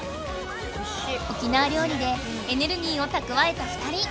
沖縄料理でエネルギーをたくわえた２人。